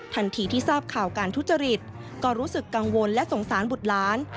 ทันทีที่ทราบข่าวการทุจริตก็รู้สึกกังวลและสงสารบุตรหลาน